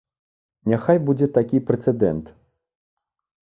Няхай будзе такі прэцэдэнт.